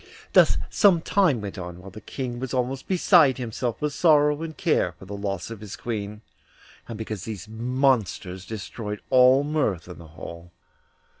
Thus some time went on, while the King was almost beside himself with sorrow and care for the loss of his Queen, and because these monsters destroyed all mirth in the hall.